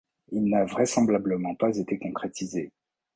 Il n'a vraisemblablement pas été concrétisé.